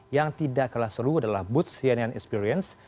yang tidak kalah seru adalah booth cnn experience